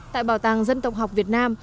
tại bảo tàng dân tộc học việt nam